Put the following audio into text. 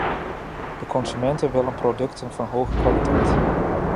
De consumenten willen producten van hoge kwaliteit.